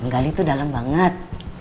gali tuh dalam banget